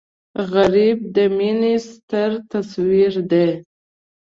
غریب د مینې ستر تصویر دی